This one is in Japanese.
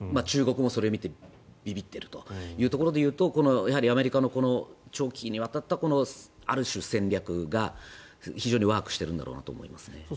中国もそれを見てびびっているというところでいうとアメリカの長期にわたったある種、戦略が非常にワークしているんだろうなと思いますね。